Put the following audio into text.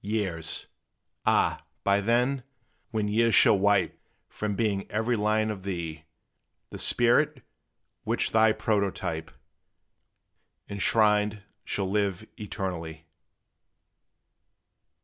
Years! Ah, but then, when years shall wipe From being every line of thee, The spirit, which thy prototype Enshrined, shall live eternally!